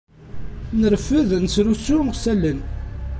Nreffed nesrusu s wallen.